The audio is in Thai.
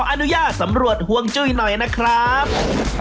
โอ้โฮ